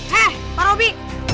hei pak robi